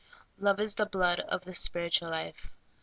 Love is the blood of the spiritual life."